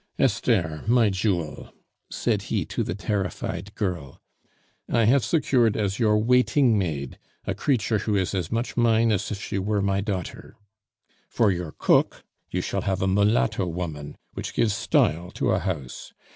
Esther, my jewel," said he to the terrified girl, "I have secured as your waiting maid a creature who is as much mine as if she were my daughter. For your cook, you shall have a mulatto woman, which gives style to a house.